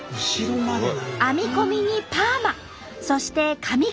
編み込みにパーマそして髪飾り。